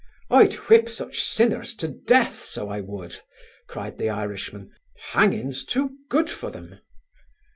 "Oi'd whip such sinners to death, so I would," cried the Irishman; "hangin's too good for them."